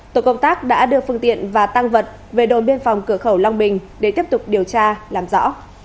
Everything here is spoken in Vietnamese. tổ công tác đã đưa phương tiện và tăng vật về đồn biên phòng cửa khẩu long bình để tiếp tục điều tra làm rõ